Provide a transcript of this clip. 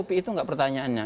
itu tidak pertanyaannya